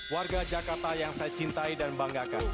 warga jakarta yang saya cintai dan banggakan